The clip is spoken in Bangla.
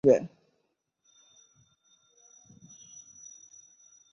বাঁশি বাজানোর সাথে সাথে তাকে ছেড়ে দিবে।